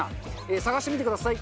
探してみてください。